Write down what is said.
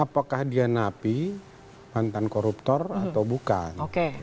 apakah dia napi mantan koruptor atau bukan